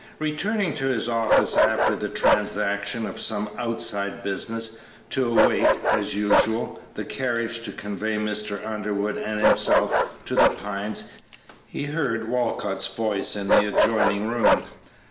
Returning to his office after the transaction of some outside business, to await, as usual, the carriage to convey Mr. Underwood and himself to The Pines, he heard Walcott's voice in the adjoining room.